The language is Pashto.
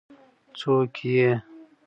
څوک يې ؟